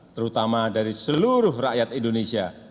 terutama dari seluruh rakyat indonesia